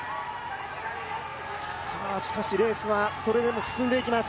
しかし、レースはそれでも進んでいきます。